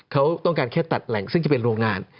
เขาต้องการแค่ตัดแหล่งซึ่งจะเป็นโรงงาน